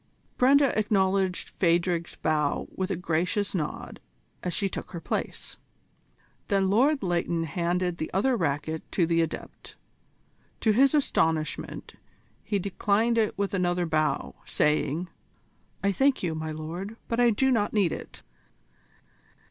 Brenda acknowledged Phadrig's bow with a gracious nod as she took her place. Then Lord Leighton handed the other racquet to the Adept. To his astonishment he declined it with another bow, saying: "I thank you, my lord, but I do not need it."